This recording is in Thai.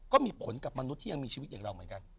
ก็มีผลกับมนุษย์ที่ยังมีชีวิตอย่างเราเหมือนกัน